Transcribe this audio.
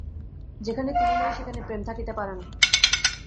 যেখানে তিনি নাই, সেখানে প্রেম থাকিতে পারে না।